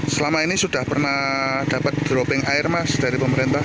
selama ini sudah pernah dapat dropping air mas dari pemerintah